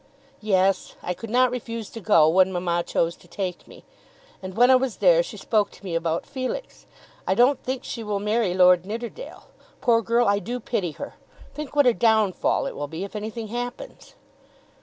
"Yes; I could not refuse to go when mamma chose to take me. And when I was there she spoke to me about Felix. I don't think she will marry Lord Nidderdale. Poor girl; I do pity her. Think what a downfall it will be if anything happens."